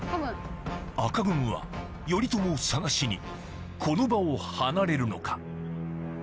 赤軍は頼朝を探しにこの場を離れるのか？